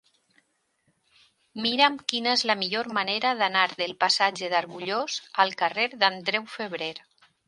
Mira'm quina és la millor manera d'anar del passatge d'Argullós al carrer d'Andreu Febrer.